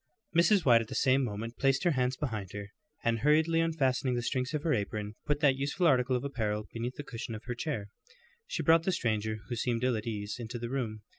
Mrs. White at the same moment placed her hands behind her, and hurriedly unfastening the strings of her apron, put that useful article of apparel beneath the cushion of her chair. She brought the stranger, who seemed ill at ease, into the room.